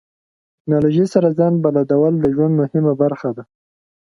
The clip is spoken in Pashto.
ټکنالوژي سره ځان بلدول د ژوند مهمه برخه ده.